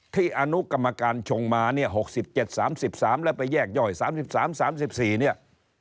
อนุกรรมการชงมาเนี่ย๖๗๓๓แล้วไปแยกย่อย๓๓๔เนี่ย